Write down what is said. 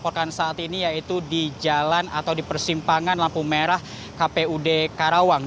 melaporkan saat ini yaitu di jalan atau di persimpangan lampu merah kpud karawang